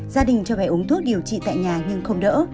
gia đình cho bé uống thuốc điều trị tại nhà nhưng không đỡ